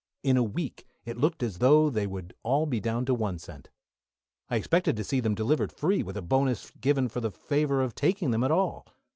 In a week it looked as though they would all be down to one cent. I expected to see them delivered free, with a bonus given for the favour of taking them at all.